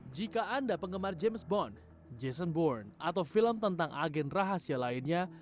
jika anda penggemar james bond jason boarn atau film tentang agen rahasia lainnya